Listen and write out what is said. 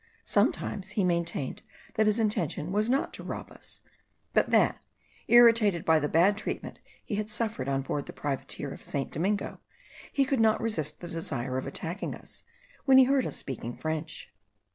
Sometimes he maintained that his intention was not to rob us; but that, irritated by the bad treatment he had suffered on board the privateer of St. Domingo, he could not resist the desire of attacking us, when he heard us speak French.